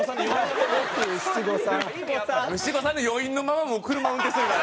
七五三の余韻のまま車運転するから。